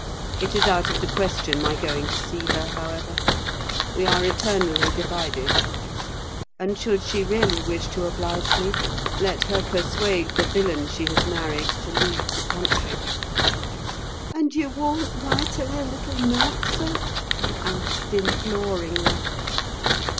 It is out of the question my going to see her, however: we are eternally divided; and should she really wish to oblige me, let her persuade the villain she has married to leave the country." "And you won't write her a little note, sir?" I asked, imploringly.